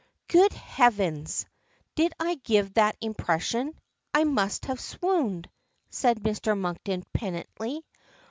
"Good heavens! did I give that impression? I must have swooned," says Mr. Monkton penitently.